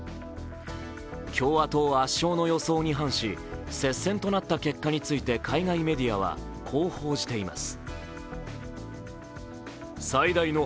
共和党圧勝の予想に反し接戦となった結果に対し海外メディアはこう報じています。